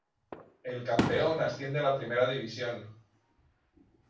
El campeón asciende a la Primera División.